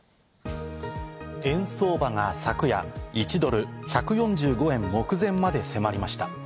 円相場が昨夜、１ドル＝１４５円目前まで迫りました。